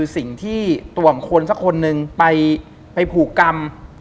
สำค้นสักคนนึงไปผูกกรรม